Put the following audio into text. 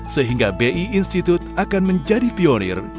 sehingga b i institute akan menjadi pionir